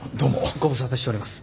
ご無沙汰しております。